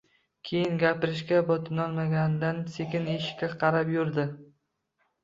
Keyin gapirishga botinolmaganidan sekin eshikka qarab yurdi